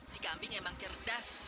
si kambing emang cerdas